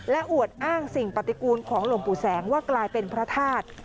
และอวดอ้างสิ่งปฏิกูลของหลวงปู่แสงว่ากลายเป็นพระธาตุ